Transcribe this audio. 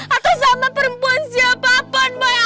atau sama perempuan siapa pun boy